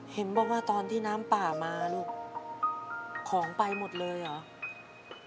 เห็นบอกว่าตอนที่น้ำป่ามาลูกของไปหมดเลยเหรอ